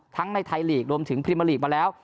ทั้งในไทยลีกรวมถึงพิมมาลีกมาแล้ว